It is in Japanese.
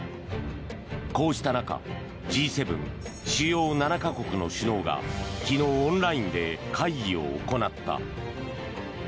こうした中Ｇ７・主要７か国の首脳が昨日オンラインで会議を行った。